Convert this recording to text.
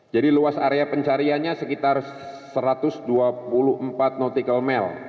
jadi luas area pencariannya sekitar satu ratus dua puluh empat nautical mile